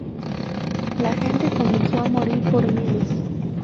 La gente comenzó a morir por miles.